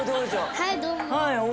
はいどうも。